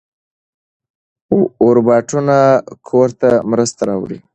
روباټونه کور ته مرسته راوړي.